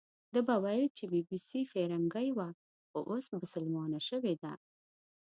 ده به ویل چې بي بي سي فیرنګۍ وه، خو اوس بسلمانه شوې ده.